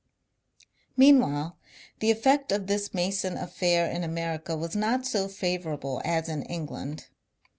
Meanwhile the effect of this Mason affair in America was not so favourable as in England.